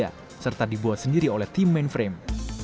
dan ini juga terlihat dibuat sendiri oleh tim mainframe